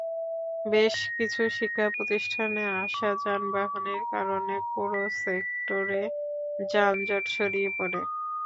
বেশ কিছু শিক্ষাপ্রতিষ্ঠানে আসা যানবাহনের কারণে পুরো সেক্টরে যানজট ছড়িয়ে পড়ে।